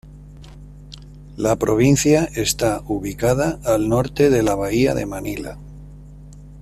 La provincia está ubicada al norte de la bahía de Manila.